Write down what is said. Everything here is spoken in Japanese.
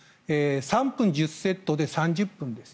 ３分１０セットで３０分です。